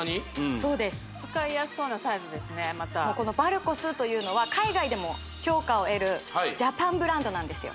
そうです使いやすそうなサイズですねまたこのバルコスというのは海外でも評価を得るジャパンブランドなんですよ